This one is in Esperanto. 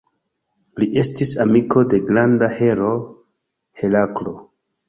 Li estis amiko de granda heroo Heraklo.